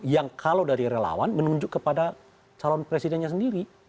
yang kalau dari relawan menunjuk kepada calon presidennya sendiri